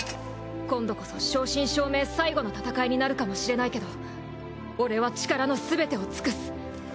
今度こそ正真正銘最後の戦いになるかもしれないけど俺は力のすべてを尽くす。